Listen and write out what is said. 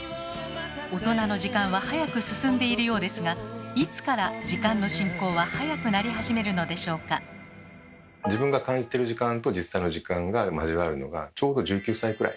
大人の時間は早く進んでいるようですがいつから自分が感じてる時間と実際の時間が交わるのがちょうど１９歳くらい。